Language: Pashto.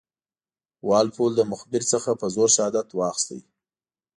وال پول د مخبر څخه په زور شهادت واخیست.